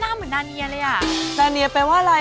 ตามแอฟผู้ชมห้องน้ำด้านนอกกันเลยดีกว่าครับ